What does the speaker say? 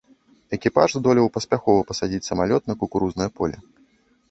Экіпаж здолеў паспяхова пасадзіць самалёт на кукурузнае поле.